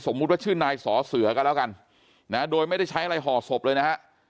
ว่าชื่อนายสอเสือก็แล้วกันนะโดยไม่ได้ใช้อะไรห่อศพเลยนะฮะ